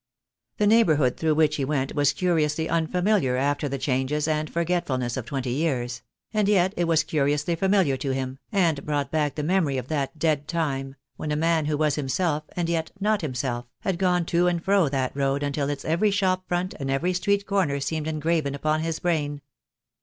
The neighbourhood through which he went was curiously unfamiliar after the changes and forgetfulness of twenty years; and yet it was curiously familiar to him, and brought back the memory of that dead time, when a man who was himself, and yet not himself, had gone to and fro that road until its every shop front and every street corner seemed engraven upon his brain.